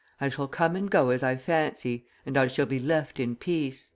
I shall come and go as I fancy; and I shall be left in peace."